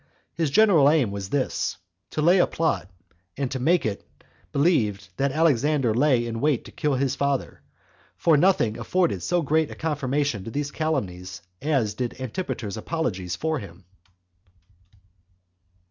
His general aim was this, to lay a plot, and to make it believed that Alexander lay in wait to kill his father; for nothing afforded so great a confirmation to these calumnies as did Antipater's apologies for him.